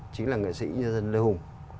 chính là người sĩ nhân dân lê hùng